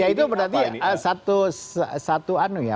ya itu berarti satu anu ya